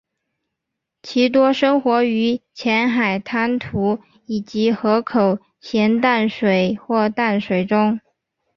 其多生活于浅海滩涂以及河口咸淡水或淡水中。